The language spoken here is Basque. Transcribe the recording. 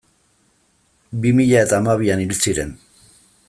Bi mila eta hamabian hil ziren.